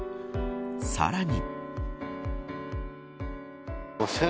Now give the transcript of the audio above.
さらに。